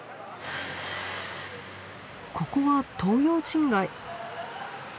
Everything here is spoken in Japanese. ここは東洋人街。